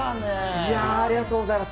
いやー、ありがとうございます。